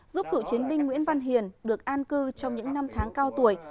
giúp cựu chiến binh nguyễn văn hiền được an cư trong những năm tháng cao tuổi